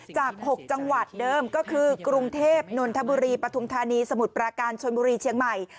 จาก๖จังหวัดเดิมก็คือกรุงเทพนนทบุรีปฐุมธานีสมุทรปราการชนบุรีเชียงใหม่